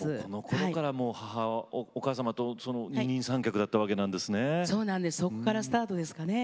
このころからお母様と二人三脚だったわけですね。